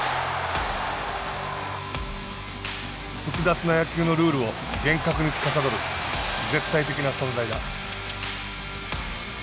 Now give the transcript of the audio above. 複雑な野球のルールを厳格につかさどる絶対的な存在だ。